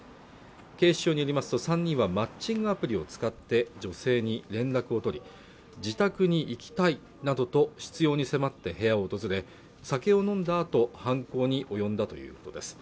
警視庁によりますと３人はマッチングアプリを使って女性に連絡を取り自宅に行きたいなどと執ように迫って部屋を訪れ酒を飲んだあと犯行に及んだということです